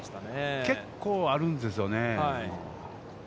結構あるんですよね。